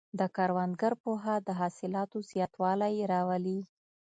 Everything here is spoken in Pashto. د کروندګر پوهه د حاصلاتو زیاتوالی راولي.